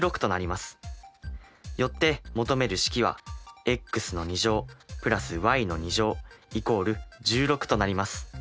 よって求める式はｘ＋ｙ＝１６となります。